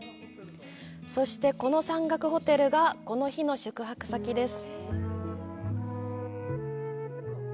そして、この山岳ホテルがこの日の宿泊先です。